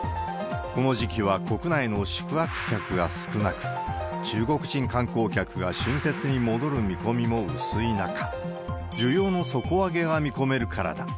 この時期は国内の宿泊客が少なく、中国人観光客が春節に戻る見込みも薄い中、需要の底上げが見込めるからだ。